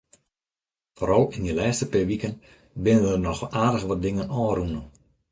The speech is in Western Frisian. Foaral yn de lêste pear wiken binne der noch aardich wat dingen ôfrûne.